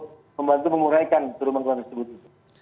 membantu mengurahkan perumahan perumahan tersebut